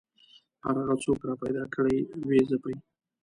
هر هغه څوک راپیدا کړي ویې ځپي